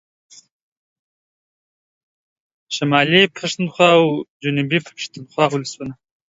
شمالي پښتونخوا او جنوبي پښتونخوا ولسونو